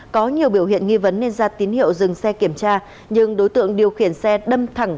có nhiều biểu hiện nghi vấn nên ra tín hiệu dừng xe kiểm tra nhưng đối tượng điều khiển xe đâm thẳng